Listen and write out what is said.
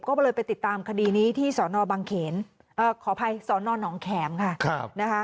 ก็เลยไปติดตามคดีนี้ที่สนบังเขนขออภัยสนหนองแขมค่ะนะคะ